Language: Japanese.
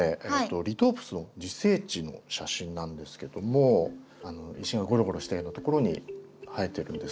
リトープスの自生地の写真なんですけども石がゴロゴロしたようなところに生えてるんです。